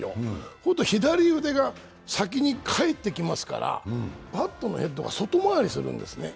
そうすると左腕が先にかえってきますから、バットのヘッドが外回りするんですね。